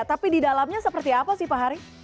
tapi di dalamnya seperti apa sih pak hari